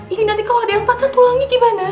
ini nanti kalau ada yang patah tulangnya gimana